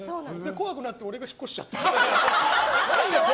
怖くなって俺が引っ越しちゃった。